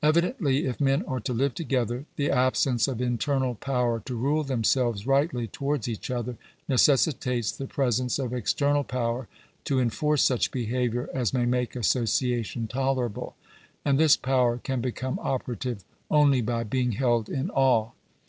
Evidently, if men are to live together, the absence of internal power to rule themselves rightly towards each other, necessitates the presence of external power to enforce such behaviour as may make association tolerable; and this power can become operative only by being held in awe.